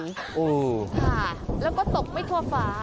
ค่ะแล้วก็ตกไม่ทั่วฟ้า